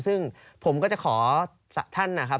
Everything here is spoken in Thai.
ซึ่งผมก็จะขอท่านนะครับ